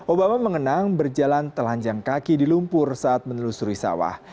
obama mengenang berjalan telanjang kaki di lumpur saat menelusuri sawah